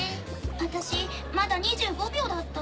私まだ２５秒だった。